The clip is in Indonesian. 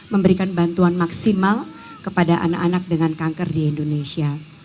memberikan bantuan maksimal kepada anak anak dengan kanker di indonesia